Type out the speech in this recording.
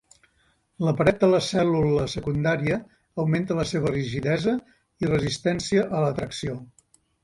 La paret de la cèl·lula secundària augmenta la seva rigidesa i resistència a la tracció.